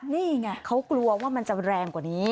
นี่ไงเขากลัวว่ามันจะแรงกว่านี้